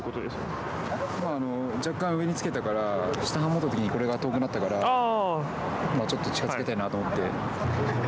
若干、上につけたからこれが遠くなったからちょっと近づけたいなと思って。